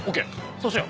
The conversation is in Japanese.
そうしよう。